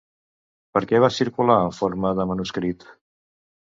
Per què va circular en forma de manuscrit?